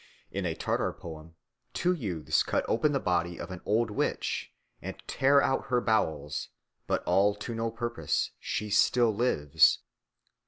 In a Tartar poem two youths cut open the body of an old witch and tear out her bowels, but all to no purpose, she still lives.